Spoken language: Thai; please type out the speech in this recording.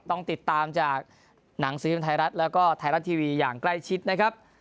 ต้องติดตามจากหนังสือพิมพ์ไทยรัฐแล้วก็ไทยรัฐทีวีอย่างใกล้ชิดนะครับ